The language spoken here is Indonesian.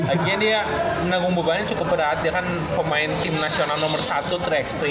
akhirnya dia menanggung bebannya cukup berat dia kan pemain tim nasional nomor satu tiga x tiga